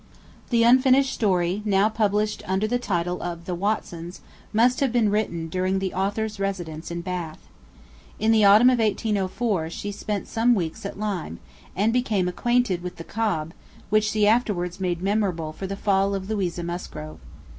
The unfinished story, now published under the title of 'The Watsons,' must have been written during the author's residence in Bath. In the autumn of 1804 she spent some weeks at Lyme, and became acquainted with the Cobb, which she afterwards made memorable for the fall of Louisa Musgrove.